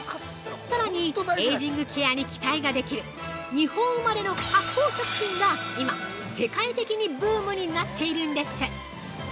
さらに、エイジングケアに期待ができる日本生まれの発酵食品が今、世界的にブームになっているんです。